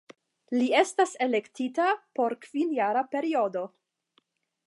Li estas elektita por kvinjara periodo.